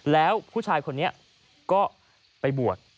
แล้วผู้ชายคนนี้ก็ไปบวช